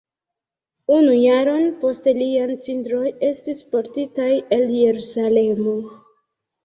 Unu jaron poste liaj cindroj estis portitaj al Jerusalemo.